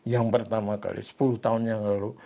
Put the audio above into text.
yang pertama kali sepuluh tahun yang lalu